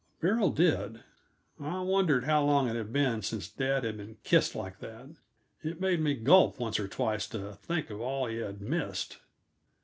Beryl did. I wondered how long it had been since dad had been kissed like that. It made me gulp once or twice to think of all he had missed.